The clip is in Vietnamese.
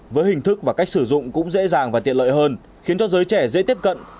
với hình thức và cách sử dụng cũng dễ dàng và tiện lợi hơn khiến cho giới trẻ dễ tiếp cận